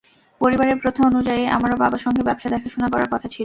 পরিবারের প্রথা অনুযায়ী আমারও বাবার সঙ্গে ব্যবসা দেখাশোনা করার কথা ছিল।